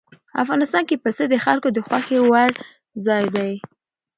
افغانستان کې پسه د خلکو د خوښې وړ ځای دی.